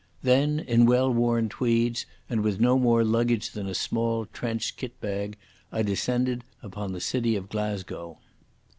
Then in well worn tweeds and with no more luggage than a small trench kit bag, I descended upon the city of Glasgow.